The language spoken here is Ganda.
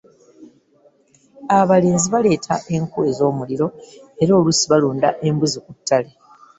Abalenzi baleeta enku ez'omuliro, era oluusi balunda embuzi ku ttale.